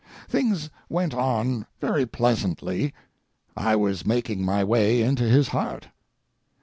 Things went on very pleasantly. I was making my way into his heart.